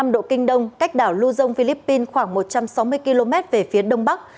một trăm hai mươi ba năm độ kinh đông cách đảo luzon philippines khoảng một trăm sáu mươi km về phía đông bắc